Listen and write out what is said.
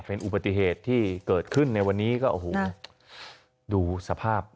เป็นอุบัติเหตุที่เกิดขึ้นในวันนี้ก็โอ้โหดูสภาพ